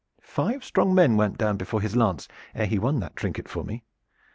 Five strong men went down before his lance ere he won that trinket for me.